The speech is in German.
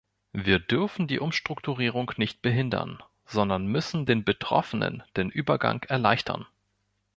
Wir dürfen die Umstrukturierung nicht behindern, sondern müssen den Betroffenen den Übergang erleichtern.